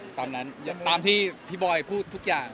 ตามที่พี่บอยพูดทุกอย่าง